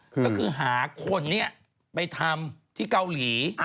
ก็คือหาคนนี้ไปทำที่เกาหลี